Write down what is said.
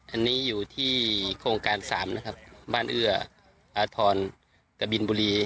อันนี้อยู่ที่โครงการ๓นะครับบ้านเอื้ออาทรกะบินบุรี